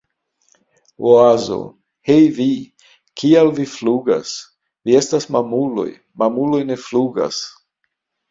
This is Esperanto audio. Oazo: "Hej vi! Kial vi flugas? Vi estas mamuloj! Mamuloj ne flugas!"